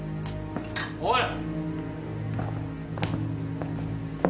おい！